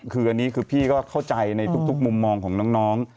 คืออันนี้คือพี่ก็เข้าใจในทุกมุมมองของน้อง